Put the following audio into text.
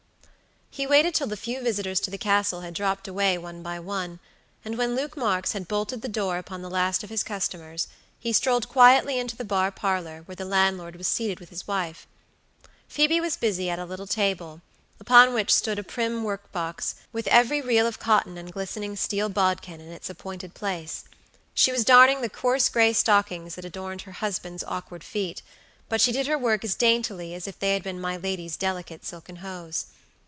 He waited till the few visitors to the Castle had dropped away one by one, and when Luke Marks had bolted the door upon the last of his customers, he strolled quietly into the bar parlor, where the landlord was seated with his wife. Phoebe was busy at a little table, upon which stood a prim work box, with every reel of cotton and glistening steel bodkin in its appointed place. She was darning the coarse gray stockings that adorned her husband's awkward feet, but she did her work as daintily as if they had been my lady's delicate silken hose.